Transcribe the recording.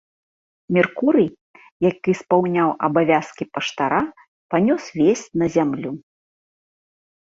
Меркурый, які спаўняў абавязкі паштара, панёс весць на зямлю.